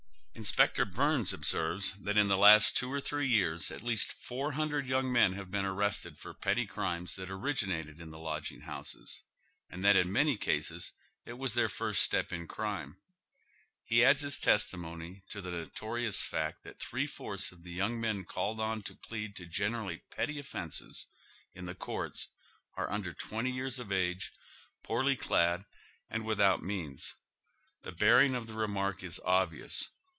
Inspector Byrnes observes that in the last two or three years at least four hundred young men have been arrested for petty crimes that originated in the lodging houses, and that in many cases it was their first step in crime. He adds his testimony to the notorious fact that three fourths of the young men called on to plead to generally petty offences in the courts are under twenty years of age, poorly clad, and without means. The bearing of the I'e mark is obvious.